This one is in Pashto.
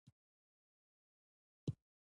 دا سنګرونه د ورور او تربور لپاره جوړ شوي دي.